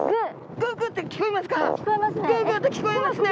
グゥグゥって聞こえますね。